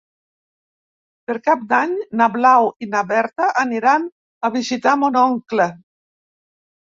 Per Cap d'Any na Blau i na Berta aniran a visitar mon oncle.